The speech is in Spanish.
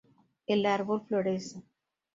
El árbol florece.